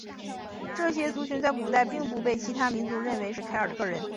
这些族群在古代并不被其他民族认为是凯尔特人。